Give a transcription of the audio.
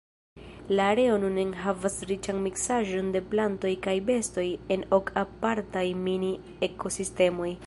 La areo nun enhavas riĉan miksaĵon de plantoj kaj bestoj en ok apartaj mini-ekosistemoj.